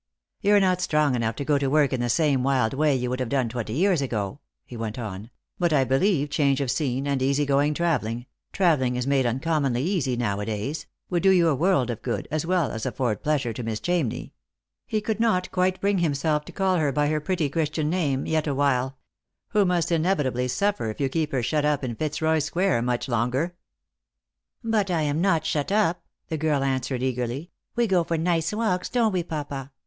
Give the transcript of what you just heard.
" You're not strong enough to go to work in the same wild way you would have done twenty years ago," he went on ;" but I believe change of scene and easy going travelling — travelling is made uncommonly easy nowadays — would do you a world ot good, as well as afford pleasure to Miss Chamney" — he could not quite bring himself to call her by her pretty Christian name yet awhile —" who must inevitably suffer if you keep her shut up in Fitzroy square much longer." " But I am not shut up," the girl answered eagerly ;" we ga »or nice walks — don't we, papa?